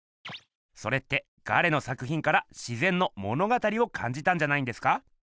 それってガレの作ひんから「自ぜんの物語」をかんじたんじゃないんですか？